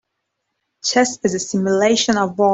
Chess is a simulation of war.